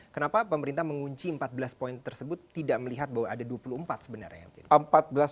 kenapa pemerintah mengunci empat belas poin tersebut tidak melihat bahwa ada dua puluh empat sebenarnya